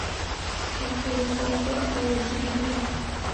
ان کی للکار تو اب بھی ویسے ہی ہے۔